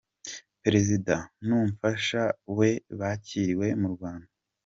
Perezida n’Umufasha we bakiriwe mu Rwanda